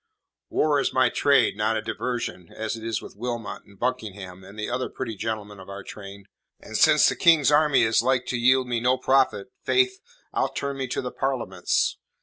"War is my trade, not a diversion, as it is with Wilmot and Buckingham and the other pretty gentlemen of our train. And since the King's army is like to yield me no profit, faith, I'll turn me to the Parliament's.